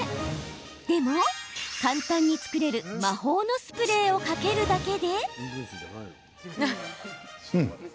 でも、簡単に作れる魔法のスプレーをかけるだけで。